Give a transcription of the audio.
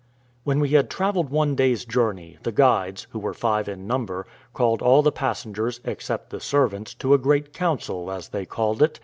When we had travelled one day's journey, the guides, who were five in number, called all the passengers, except the servants, to a great council, as they called it.